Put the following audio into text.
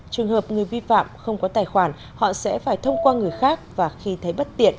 trường hợp người vi phạm không có tài khoản họ sẽ phải thông qua người khác và khi thấy bất tiện